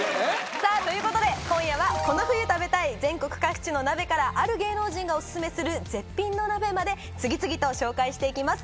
さぁということで今夜はこの冬食べたい全国各地の鍋からある芸能人がオススメする絶品の鍋まで次々と紹介して行きます。